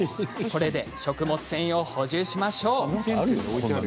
これで食物繊維を補充しましょう。